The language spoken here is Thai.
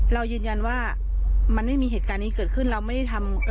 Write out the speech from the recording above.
เรายืนยันว่ามันไม่มีเหตุการณ์นี้เกิดขึ้นเราไม่ได้ทำ